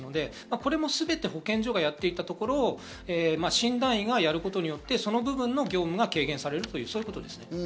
これもすべて保健所がやっていたところを診断医がやることによってその部分の業務が軽減されるということです。